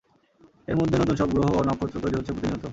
এর মধ্যে নতুন সব গ্রহ ও নক্ষত্র তৈরি হচ্ছে প্রতিনিয়ত।